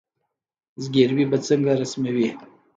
زګیروي به څنګه رسموي